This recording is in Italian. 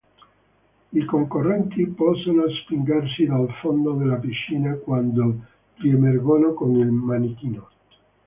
I concorrenti possono spingersi dal fondo della piscina quando riemergono con il manichino.